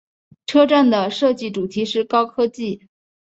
车站的设计主题是高科技。